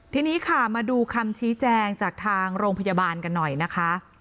ทีนี้ค่ะมาดูคำชี้แจงจากทางโรงพยาบาลกันหน่อยนะคะ